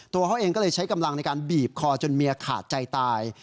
ตัวเขาเองก็เลยใช้กำลังในการบีบคอจนเมียขาดใจตาย